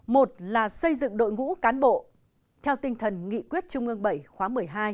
một là xây dựng đội ngũ cán bộ theo tinh thần nghị quyết trung ương bảy khóa một mươi hai